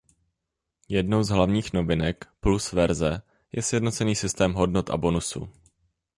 Jednou z hlavních novinek „Plus verze“ je sjednocený systém hodnot a bonusů.